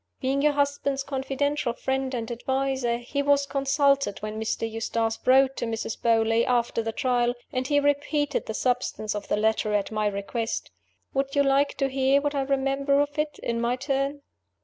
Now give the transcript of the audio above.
Being your husband's confidential friend and adviser, he was consulted when Mr. Eustace wrote to Mrs. Beauly, after the Trial; and he repeated the substance of the letter, at my request. Would you like to hear what I remember of it, in my turn?"